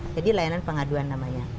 jadi layanan pengaduan namanya